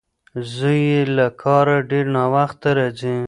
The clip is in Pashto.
زوی یې له کاره ډېر ناوخته راځي.